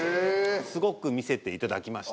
すごく見せて頂きました。